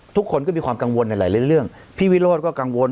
ทุกคนก็มีความกังวลในหลายเรื่องพี่วิโรธก็กังวล